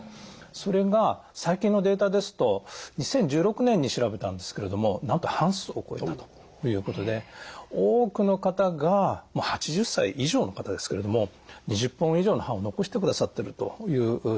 それが最近のデータですと２０１６年に調べたんですけれどもなんと半数を超えたということで多くの方が８０歳以上の方ですけれども２０本以上の歯を残してくださってるというデータが出ております。